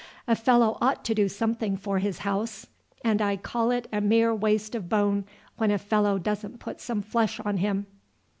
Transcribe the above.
A fellow ought to do something for his house, and I call it a mere waste of bone when a fellow doesn't put some flesh on him."